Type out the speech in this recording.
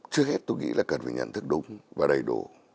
trước hết tôi nghĩ là cần phải nhận thức đúng và đầy đủ